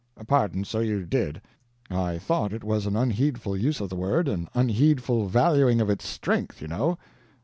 "Pardon, so you did. I thought it was an unheedful use of the word an unheedful valuing of its strength, you know."